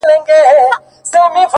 ښكل مي كړلې!!